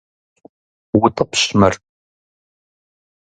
УтӀыпщ мыр!